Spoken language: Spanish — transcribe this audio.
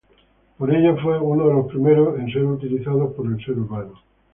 Por ello fue uno de los primeros en ser utilizado por el ser humano.